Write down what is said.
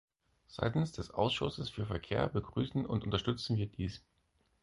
Seitens des Ausschusses für Verkehr begrüßen und unterstützen wir dies.